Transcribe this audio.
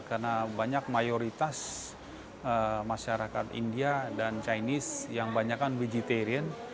karena banyak mayoritas masyarakat india dan chinese yang banyak vegetarian